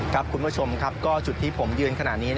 ครับคุณผู้ชมจุดที่ผมยืนขนาดนี้